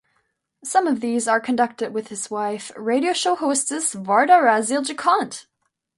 Some of these are conducted with his wife, radio show hostess Varda Rasiel-Jackont.